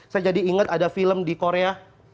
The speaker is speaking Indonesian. saya jadi ingat ada film di korea